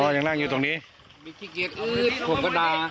ชั่วโมงตอนพบศพ